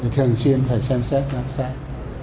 thường xuyên phải xem xét giám sát